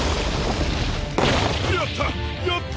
やった！